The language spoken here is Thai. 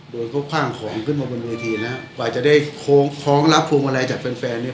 โดนเขาข้างของขึ้นมาบนเมืองทีนะครับกว่าจะได้โครงรับโครงอะไรจากแฟนแฟนเนี่ย